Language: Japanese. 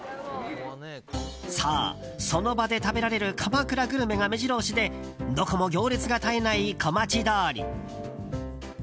そう、その場で食べられる鎌倉グルメが目白押しでどこも行列が絶えない小町通り。